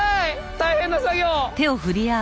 大変な作業。